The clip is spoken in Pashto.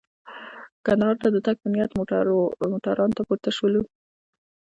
کندهار ته د تګ په نیت موټرانو ته پورته شولو.